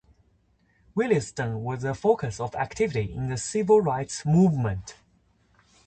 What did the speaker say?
Williamston was the focus of activity in the civil rights movement.